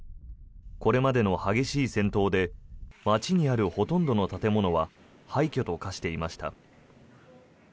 これまでの激しい戦闘で街にあるほとんどの建物は廃虚と化していました。